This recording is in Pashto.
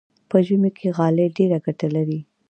په ژمي کې غالۍ ډېره ګټه لري.